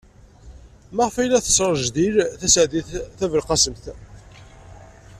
Maɣef ay la tesrejdil Taseɛdit Tabelqasemt?